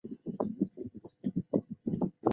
在军事方面比较彻底地肃清殖民主义的残余。